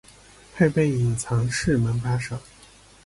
配备隐藏式门把手